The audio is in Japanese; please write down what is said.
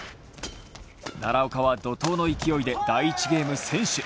奈良岡は怒とうの勢いで第１ゲーム先取。